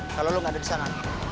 kalo lu gak ada disana